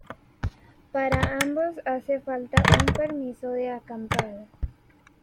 Para ambos hace falta un permiso de acampada.